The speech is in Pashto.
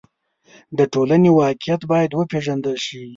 د ټولنې واقعیت باید وپېژندل شي.